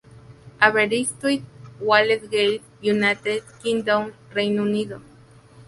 Aberystwyth, Wales-Gales, United Kingdom-Reino Unido.